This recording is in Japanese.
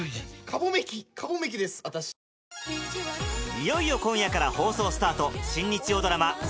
いよいよ今夜から放送スタート